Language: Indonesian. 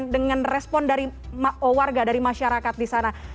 dengan respon dari warga dari masyarakat di sana